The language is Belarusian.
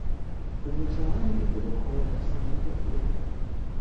Абмежаваны і падыход да самога клуба.